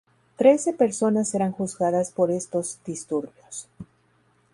Trece personas serán juzgadas por estos disturbios.